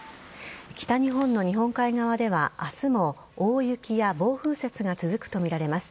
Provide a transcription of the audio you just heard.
北日本の日本海側では明日も大雪や暴風雪が続くとみられます。